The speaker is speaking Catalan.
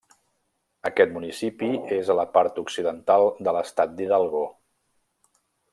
Aquest municipi és a la part occidental de l'estat d'Hidalgo.